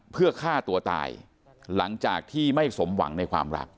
เพื่อฆ่าตัวตายหลังจากที่ไม่สมหวังในความรัก